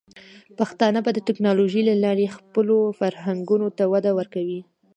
پښتانه به د ټیکنالوجۍ له لارې خپلو فرهنګونو ته وده ورکړي.